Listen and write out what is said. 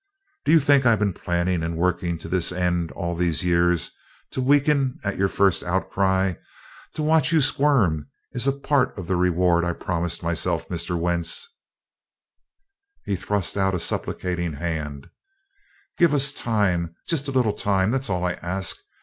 "Do you think I've been planning and working to this end all these years to weaken at your first outcry? To watch you squirm is a part of the reward I promised myself, Mr. Wentz." He thrust out a supplicating hand: "Give us time just a little time that's all I ask!